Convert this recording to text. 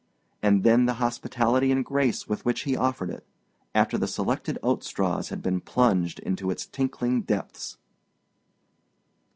And then the hospitality and grace with which he offered it, after the selected oat straws had been plunged into its tinkling depths!